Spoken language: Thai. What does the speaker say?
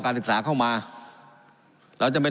การปรับปรุงทางพื้นฐานสนามบิน